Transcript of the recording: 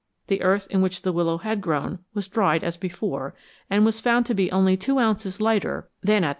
The earth in which the willow had grown was dried as before, and was found to be only 2 ounces lighter than at 216